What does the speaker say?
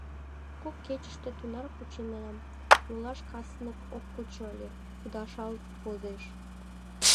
Кок кечыште тунар пученам — йолаш каснык ок кучо ыле, кудашалт возеш.